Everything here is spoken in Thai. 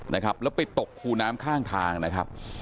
นะครับแล้วไปตกคูน้ำข้างทางนะครับ